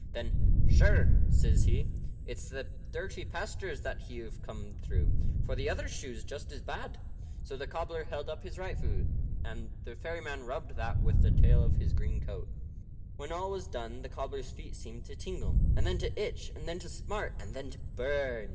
Then, "Sure," says he, "it's the dirty pastures that you've come through, for the other shoe's as bad." So the cobbler held up his right foot, and the fairy man rubbed that with the tail of his green coat. When all was done the cobbler's feet seemed to tingle, and then to itch, and then to smart, and then to burn.